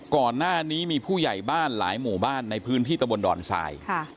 ก่อนหน้านี้มีผู้ใหญ่บ้านหลายหมู่บ้านในพื้นที่ตะบนดอนทราย